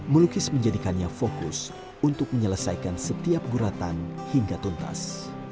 melukis menjadikannya fokus untuk menyelesaikan setiap guratan hingga tuntas